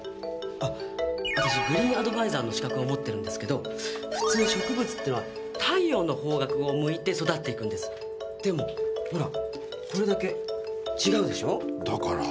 あっ私グリーンアドバイザーの資格を持ってるんですけど普通植物ってのは太陽の方角を向いて育っていくんですでもほらこれだけ違うでしょうだから？